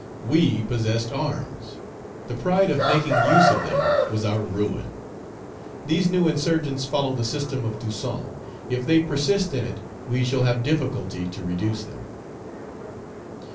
We possessed arms; the pride of making use of them was our ruin. These new insurgents follow the system of Toussaint; if they persist in it we shall have difficulty to reduce them.'